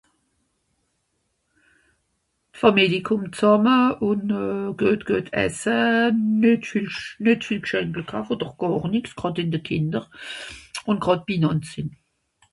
d'Fàmili kommt sàmme un guet guet esse net viel net viel gschaenkel .... oder gàr nix gràd i de Kìnder o gràd binànder sìn